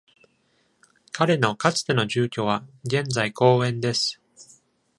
彼のかつての住居は現在公園です。